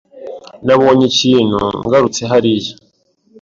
Nabonye ikintu ngarutse hariya.